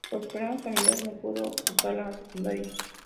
Por problemas familiares no pudo cursar la secundaria.